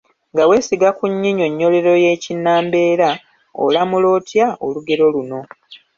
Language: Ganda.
Nga weesigama ku nnyinyonnyolero y’ekinnambeera, olamula otya olugero luno?